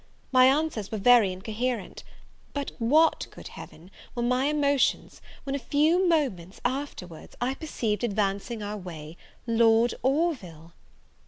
My answers were very incoherent; but what, good Heaven, were my emotions, when, a few moments afterwards, I perceived advancing our way Lord Orville!